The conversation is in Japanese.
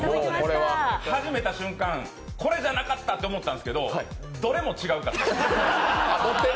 始めた瞬間、これじゃなかったって思ったんですけど、どれも違うかった。